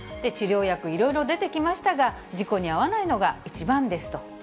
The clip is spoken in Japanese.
治療薬、いろいろ出てきましたが、事故に遭わないのが一番ですと。